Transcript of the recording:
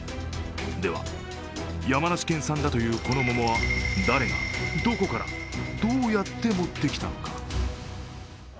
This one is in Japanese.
では、山梨県産だというこの桃は誰が、どこから、どうやって持ってきたのか。